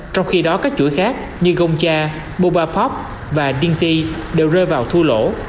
trong khi đó các chuỗi khác như gongcha bobapop và dinti đều rơi vào thua lỗ